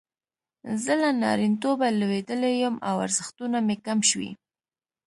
زه له نارینتوبه لویدلی یم او ارزښتونه مې کم شوي.